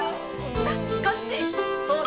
さこっち。